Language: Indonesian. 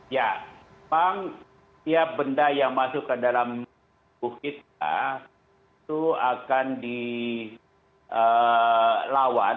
ya memang setiap benda yang masuk ke dalam tubuh kita itu akan dilawan